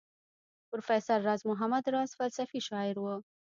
پروفیسر راز محمد راز فلسفي شاعر وو.